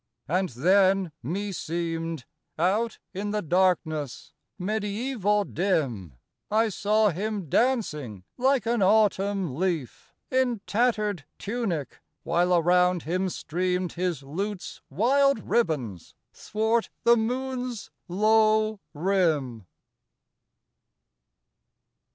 And then, me seemed, Out in the darkness, mediæval dim, I saw him dancing, like an autumn leaf, In tattered tunic, while around him streamed His lute's wild ribbons 'thwart the moon's low rim.